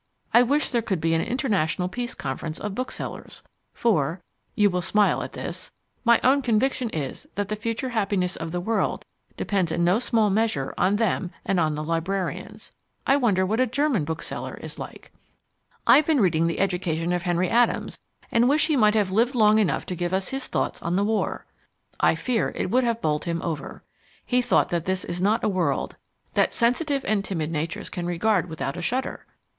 I wish there could be an international peace conference of booksellers, for (you will smile at this) my own conviction is that the future happiness of the world depends in no small measure on them and on the librarians. I wonder what a German bookseller is like? I've been reading The Education of Henry Adams and wish he might have lived long enough to give us his thoughts on the War. I fear it would have bowled him over. He thought that this is not a world "that sensitive and timid natures can regard without a shudder."